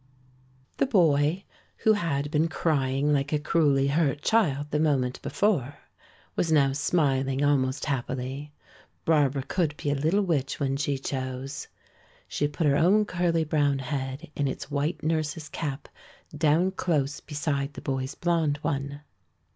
The boy, who had been crying like a cruelly hurt child the moment before, was now smiling almost happily. Barbara could be a little witch when she chose. She put her own curly brown head in its white nurse's cap down close beside the boy's blond one.